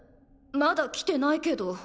まだ来てないけど。